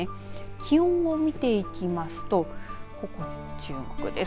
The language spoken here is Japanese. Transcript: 気温を見ていきますとここに注目です。